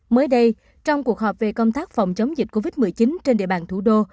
mới đây trong cuộc họp về công tác phòng chống dịch covid một mươi chín trên địa bàn thủ đô